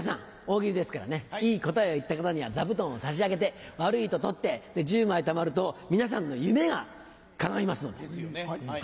大喜利ですからねいい答えを言った方には座布団を差し上げて悪いと取って１０枚たまると皆さんの夢がかないますので。ですよね。